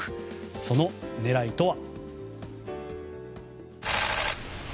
その狙いとは。